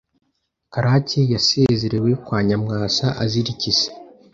Karake yasezerewe kwa Nyamwasa azira iki Ese